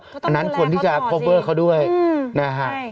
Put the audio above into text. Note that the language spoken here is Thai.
เขาต้องกูแลกก็ต่อดีอันนั้นควรที่จะโคเวิร์ตเขาด้วยนะฮะคุณแหลกก็ต่อดี